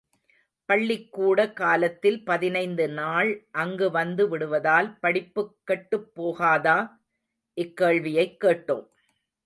பள்ளிக்கூட காலத்தில் பதினைத்து நாள் அங்கு வந்து விடுவதால் படிப்புக் கெட்டுப் போகாதா? இக்கேள்வியைக் கேட்டோம்.